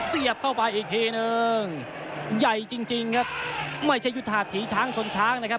เสียบเข้าไปอีกทีนึงใหญ่จริงจริงครับไม่ใช่ยุทธาถีช้างชนช้างนะครับ